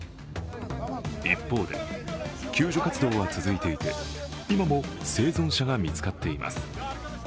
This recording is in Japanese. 一方で、救助企業は続いていて、今も生存者が見つかっています。